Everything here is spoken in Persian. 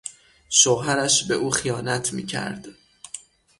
شوهرش به او خیانت میکرد.